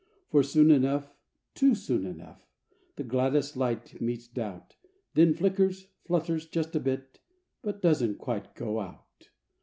For soon enough, Too soon enough — The gladdest light meets doubt, Then flickers, flutters, just a bit, But, doesn't quite go out.